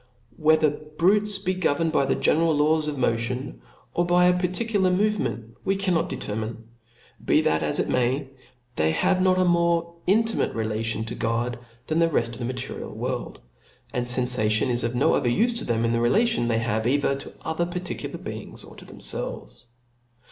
Whether brutes be governed by the general laws of motion, or by a particular movement, we cannot determine. Be that as it may, they have not a more intimate relation to God than the reft of the material world; and fenfation is* of no other ufe to them, than in the relation they have cither toother particular beings, or to themfelves.